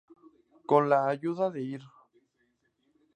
Con la ayuda de Ir.